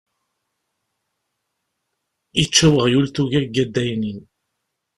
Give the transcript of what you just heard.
Yečča weɣyul tuga deg udaynin.